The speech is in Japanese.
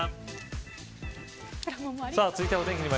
続いてはお天気です。